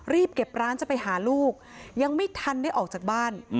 รีบเก็บร้านจะไปหาลูกยังไม่ทันได้ออกจากบ้าน